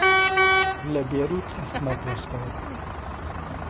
لە بێرووت خستمە پۆستەوە